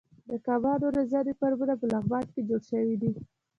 د کبانو روزنې فارمونه په لغمان کې جوړ شوي دي.